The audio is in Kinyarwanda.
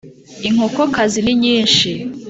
Inkokokazi ni nyinshi